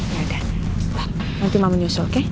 yaudah pak nanti mams nyusul oke